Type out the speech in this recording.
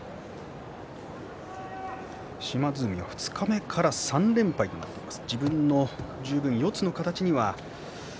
島津海は二日目から３連敗となっています。